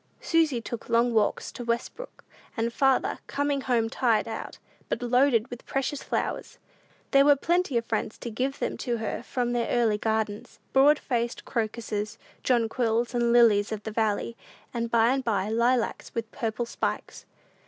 Susy took long walks to Westbrook, and farther, coming home tired out, but loaded with precious flowers. There were plenty of friends to give them to her from their early gardens: broad faced crocuses, jonquils, and lilies of the valley, and by and by lilacs, with "purple spikes."